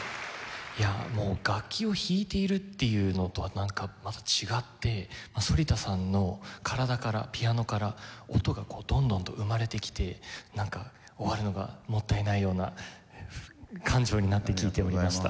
いやあもう楽器を弾いているっていうのとはなんかまた違って反田さんの体からピアノから音がこうどんどんと生まれてきてなんか終わるのがもったいないような感情になって聴いておりました。